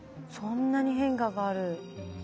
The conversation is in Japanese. そんなに変化がある。